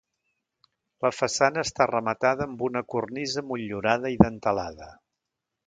La façana està rematada amb una cornisa motllurada i dentelada.